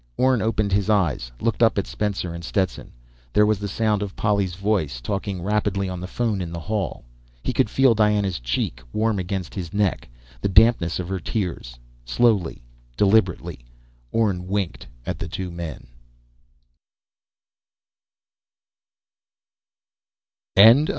Orne opened his eyes, looked up at Spencer and Stetson. There was the sound of Polly's voice talking rapidly on the phone in the hall. He could feel Diana's cheek warm against his neck, the dampness of her tears. Slowly, deliberately, Orne winked at the two men.